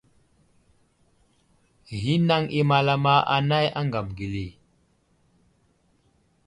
Ghinaŋ i malama anay aŋgam geli.